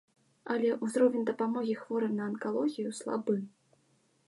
Але ўзровень дапамогі хворым на анкалогію слабы.